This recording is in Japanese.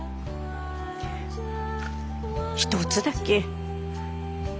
一つだけ。